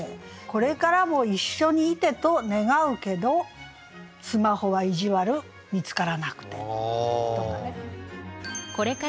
「これからも一緒に居てと願うけどスマホは意地悪見つからなくて」とかね。